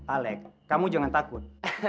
alex kamu jangan takut